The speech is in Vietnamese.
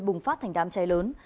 bùng phát thành đám cháy lớn